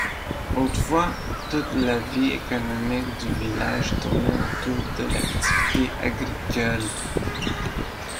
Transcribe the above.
Autrefois, toute la vie économique du village tournait autour de l'activité agricole.